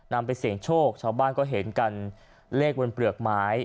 นำไปเสี่ยงโชคชาวบ้านก็เห็นกันเลขบนเปลือกไม้